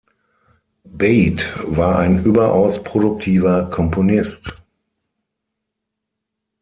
Bate war ein überaus produktiver Komponist.